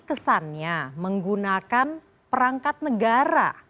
kesannya menggunakan perangkat negara